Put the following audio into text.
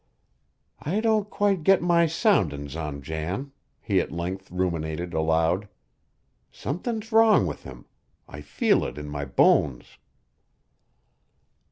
"I don't quite get my soundin's on Jan," he at length ruminated aloud. "Somethin's wrong with him. I feel it in my bones."